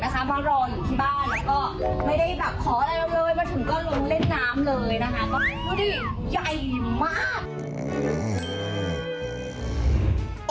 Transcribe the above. ใหญ่มาก